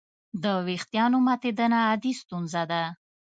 د وېښتیانو ماتېدنه عادي ستونزه ده.